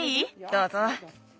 どうぞ。